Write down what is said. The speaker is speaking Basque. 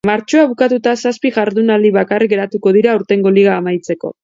Martxoa bukatuta, zazpi jardunaldi bakarrik geratuko dira aurtengo liga amaitzeko.